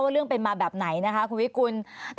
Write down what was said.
เรื่องเป็นมาแบบไหนนะคะคุณวิกุล